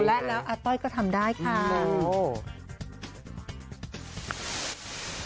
และแล้วอาต้อยก็ทำได้ค่ะ